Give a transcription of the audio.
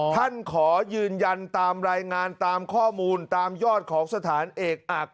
ขอยืนยันตามรายงานตามข้อมูลตามยอดของสถานเอกอัก